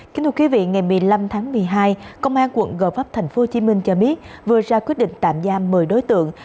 kính thưa quý vị ngày một mươi năm tháng một mươi hai công an quận gò vấp tp hcm cho biết vừa ra quyết định tạm giam một mươi đối tượng